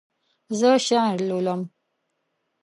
زه شعر لولم.